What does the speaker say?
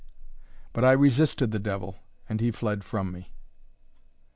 But I resisted the devil, and he fled from me.